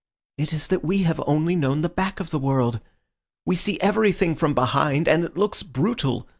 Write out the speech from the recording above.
It is that we have only known the back of the world. We see everything from behind, and it looks brutal.